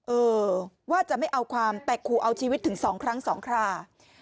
เออว่าจะไม่เอาความแต่ขู่เอาชีวิตถึง๒ครั้ง๒ครา